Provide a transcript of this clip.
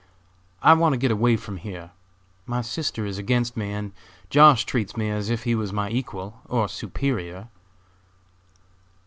I want to get away from here; my sister is against me, and Josh. treats me as if he was my equal, or superior."